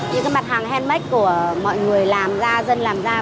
những mặt hàng handmade của mọi người làm ra dân làm ra